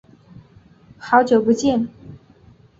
好久不见。